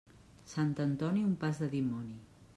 Sant Antoni, un pas de dimoni.